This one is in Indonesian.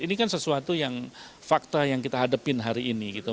ini kan sesuatu yang fakta yang kita hadapin hari ini gitu